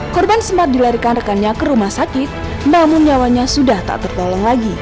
korban sempat dilarikan rekannya ke rumah sakit namun nyawanya sudah tak tertolong lagi